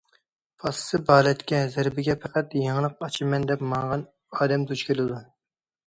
پاسسىپ ھالەتكە، زەربىگە پەقەت يېڭىلىق ئاچىمەن دەپ ماڭغان ئادەم دۇچ كېلىدۇ.